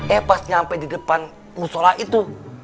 eh pas nyampe di depan musola itu